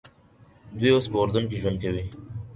دوی اوس په اردن کې ژوند کوي.